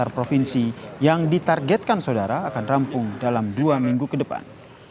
dua puluh provinsi yang ditargetkan saudara akan rampung dalam dua minggu ke depan